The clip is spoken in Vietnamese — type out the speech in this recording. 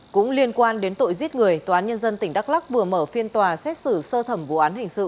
cũng liên quan đến tội giết người tòa án nhân dân tỉnh đắk lắc vừa mở phiên tòa xét xử sơ thẩm vụ án hình sự